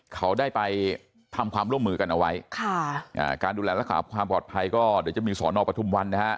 เขาได้ไปทำความร่วมมือกันเอาไว้ค่ะอ่าการดูแลรักษาความปลอดภัยก็เดี๋ยวจะมีสอนอปทุมวันนะฮะ